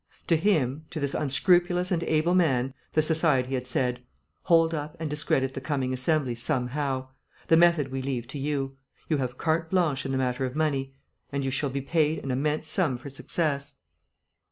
To him, to this unscrupulous and able man, the society had said, "Hold up and discredit the coming Assembly somehow. The method we leave to you. You have carte blanche in the matter of money, and you shall be paid an immense sum for success."